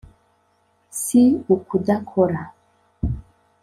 si ukudakora.